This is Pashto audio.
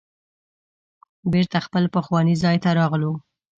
بیرته خپل پخواني ځای ته راغلو.